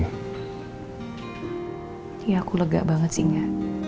ya aku lega banget sih nga